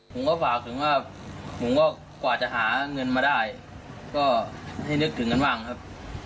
ผมก็ฝากถึงว่าผมก็กว่าจะหาเงินมาได้ก็ให้นึกถึงกันบ้างครับ